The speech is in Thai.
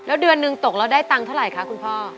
แล้วเดือนหนึ่งตกแล้วได้ตังค์เท่าไหร่คะคุณพ่อ